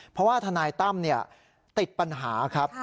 เพราะว่าทนายตั้มติดปัญหาครับ